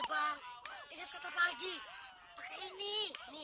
bang ini wildin' lu